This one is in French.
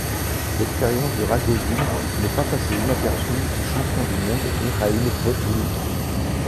L'expertise de Ragozine n'est pas passée inaperçue du champion du monde Mikhail Botvinnik.